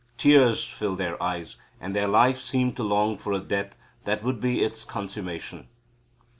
Tears filled their eyes, and their life seemed to long for a death that would be its consummation.